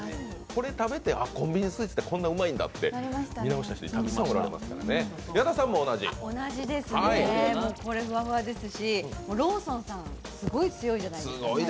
これ食べてコンビニスイーツっておいしいんだと見直した人、たくさんおられますね同じですね、ふわふわですしローソンさん、すごい強いじゃないですか。